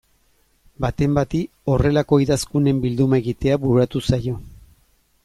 Baten bati horrelako idazkunen bilduma egitea bururatu zaio.